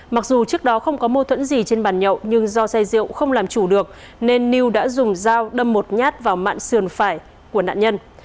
mặc dù trước đó không có mâu thuẫn gì trên bàn nhậu nhưng do say rượu không làm chủ được nên lưu đã dùng dao đâm một nhát vào mạng sườn phải của nạn nhân